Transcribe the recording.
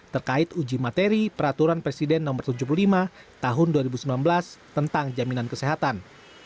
terkait uji materi peraturan presiden no tujuh puluh lima tahun dua ribu sembilan belas tentang jaminan kesehatan